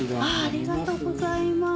ありがとうございます。